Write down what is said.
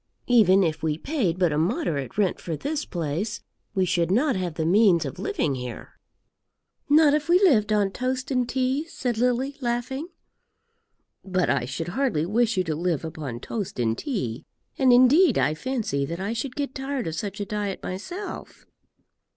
Even if we paid but a moderate rent for this place, we should not have the means of living here." "Not if we lived on toast and tea?" said Lily, laughing. "But I should hardly wish you to live upon toast and tea; and indeed I fancy that I should get tired of such a diet myself."